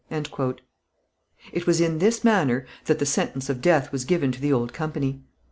It was in this manner that the sentence of death was given to the old company.